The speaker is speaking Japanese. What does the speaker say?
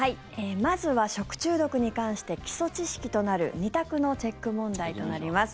まずは、食中毒に関して基礎知識となる２択のチェック問題となります。